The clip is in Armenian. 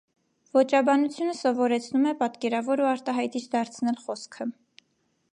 Ոճաբանությունը սովորեցնում է պատկերավոր ու արտահայտիչ դարձնել խոսքը։